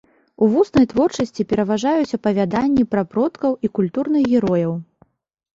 У вуснай творчасці пераважаюць апавяданні пра продкаў і культурных герояў.